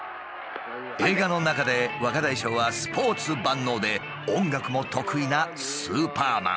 映画の中で若大将はスポーツ万能で音楽も得意なスーパーマン。